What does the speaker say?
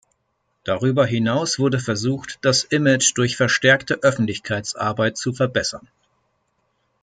Darüber hinaus wurde versucht, das Image durch verstärkte Öffentlichkeitsarbeit zu verbessern.